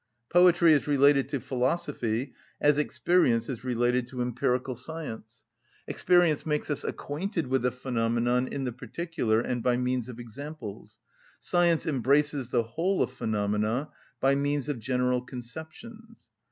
Poetry is related to philosophy as experience is related to empirical science. Experience makes us acquainted with the phenomenon in the particular and by means of examples, science embraces the whole of phenomena by means of general conceptions.